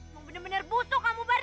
mau bener bener busuk kamu barden